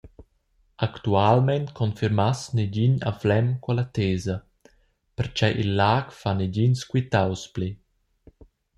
Actualmein confirmass negin a Flem quella tesa, pertgei il lag fa negins quitaus pli.